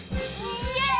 イエイ！